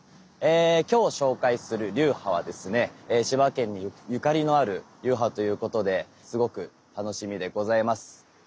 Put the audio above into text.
今日紹介する流派はですね千葉県にゆかりのある流派ということですごく楽しみでございます。